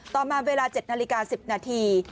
ต่อมาเวลา๗นาฬิกา๑๐นาที